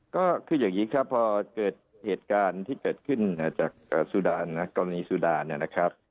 ก็คืออย่างนี้ครับพอเกิดเหตุการณ์ที่เกิดขึ้นจากสุดานะกรณีสุดาเนี่ยนะครับ